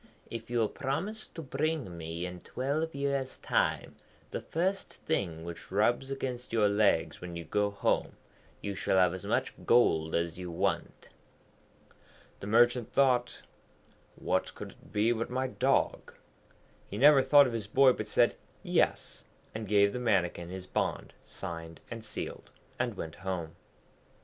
'If you will promise to bring me in twelve years' time the first thing which rubs against your legs when you go home, you shall have as much gold as you want.' The Merchant thought, 'What could it be but my dog?' He never thought of his boy, but said Yes, and gave the Mannikin his bond signed and sealed, and went home.